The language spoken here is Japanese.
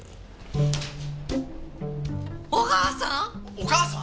お母さん！？